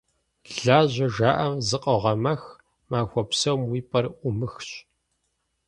«Лажьэ» жаӀэм зыкъогъэмэх, махуэ псом уи пӀэр Ӏумыхщ.